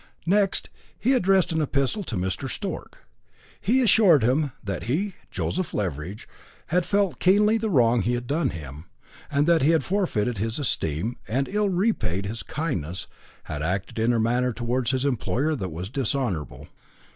Next, he addressed an epistle to Mr. Stork. He assured him that he, Joseph Leveridge, had felt keenly the wrong he had done him, that he had forfeited his esteem, had ill repaid his kindness, had acted in a manner towards his employer that was dishonourable.